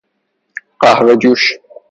قهوه جوش